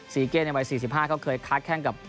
เก้ในวัย๔๕เขาเคยค้าแข้งกับ